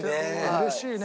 うれしいね。